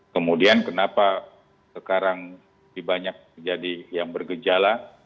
kemudian kenapa sekarang banyak yang bergejala